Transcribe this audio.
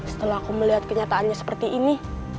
setelah aku melihat kenyataannya seperti ini